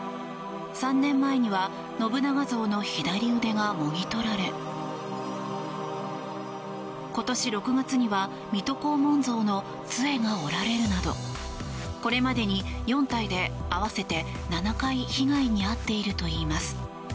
３年前には信長像の左腕がもぎ取られ今年６月には水戸黄門像のつえが折られるなどこれまでに４体で、合わせて７回被害に遭っているといいます。